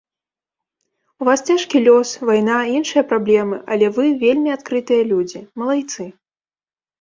У вас цяжкі лёс, вайна, іншыя праблемы, але вы вельмі адкрытыя людзі, малайцы.